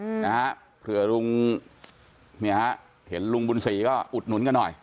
อืมนะฮะเผื่อลุงเนี่ยฮะเห็นลุงบุญศรีก็อุดหนุนกันหน่อย